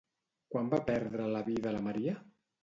Quan va perdre la vida la Maria?